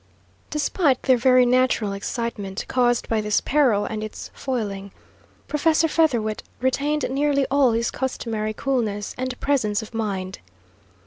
Despite their very natural excitement, caused by this peril and its foiling, Professor Featherwit retained nearly all his customary coolness and presence of mind.